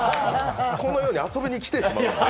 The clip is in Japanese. このように遊びに来てしまうので。